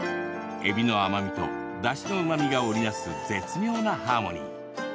えびの甘みとだしのうまみが織り成す絶妙なハーモニー。